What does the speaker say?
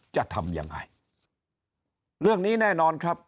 จะทำยังไงเรื่องนี้แน่นอนครับ